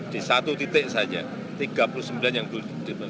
di satu titik saja tiga puluh sembilan yang belum ditemukan